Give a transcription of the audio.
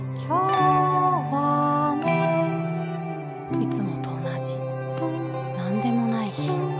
いつもと同じなんでもない日。